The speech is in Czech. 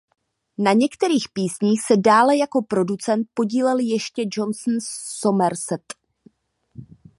Na některých písních se dále jako producent podílel ještě Johnson Somerset.